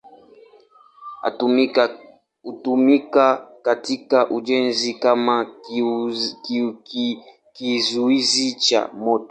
Hutumika katika ujenzi kama kizuizi cha moto.